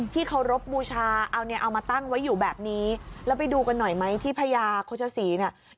เคารพบูชาเอาเนี่ยเอามาตั้งไว้อยู่แบบนี้แล้วไปดูกันหน่อยไหมที่พญาโฆษศรีเนี่ย